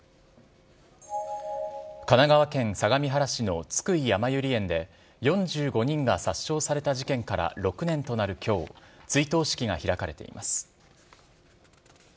神奈川県相模原市の津久井やまゆり園で、４５人が殺傷された事件から６年となるきょう、追悼式が開かれています。